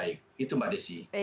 itu mbak desi